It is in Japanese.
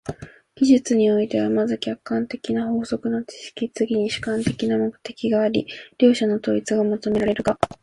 技術においては、まず客観的な法則の知識、次に主観的な目的があり、両者の統一が求められるが、